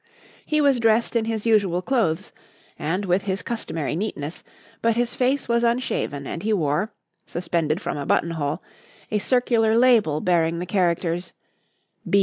He was dressed in his usual clothes and with his customary neatness, but his face was unshaven and he wore, suspended from a button hole, a circular label bearing the characters "B.